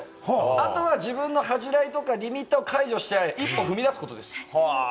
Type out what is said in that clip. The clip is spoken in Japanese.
あとは自分の恥じらいとかリミッターを解除して、一歩踏み出すことです。